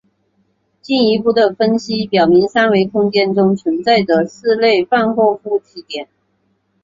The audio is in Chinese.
进一步的分析表明三维空间中存在着四类范霍夫奇点。